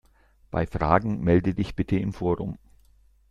Bei Fragen melde dich bitte im Forum!